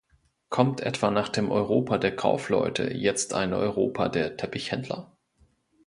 Kommt etwa nach dem Europa der Kaufleute jetzt ein Europa der Teppichhändler?